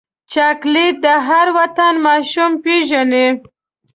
چاکلېټ د هر وطن ماشوم پیژني.